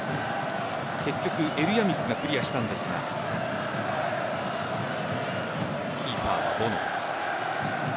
結局、エルヤミクがクリアしたんですがキーパーはボノ。